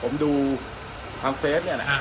ผมดูทางเฟสเนี่ยนะ